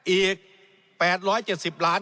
อีก๘๗๐ล้าน